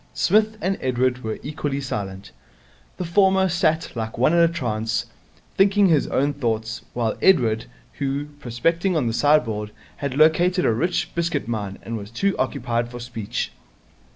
Psmith and Edward were equally silent. The former sat like one in a trance, thinking his own thoughts, while Edward, who, prospecting on the sideboard, had located a rich biscuit mine, was too occupied for speech.